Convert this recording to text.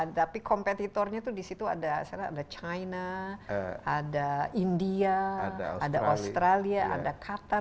tapi kompetitornya itu di situ ada china ada india ada australia ada qatar